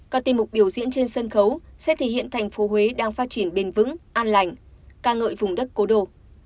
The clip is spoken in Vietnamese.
các tiêm mục biểu diễn trên sân khấu sẽ thể hiện thành phố huế đang phát triển bền vững an lành ca ngợi vùng đất cố đô